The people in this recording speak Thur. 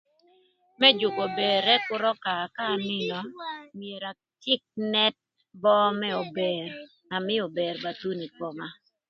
Më jükö ober ëk kür ökaa ka anïnö myero acïk nët böö më ober na mïö ober ba thuno ï koma.